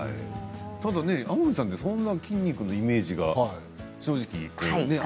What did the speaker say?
ただね天海さんってそんな筋肉のイメージが、正直。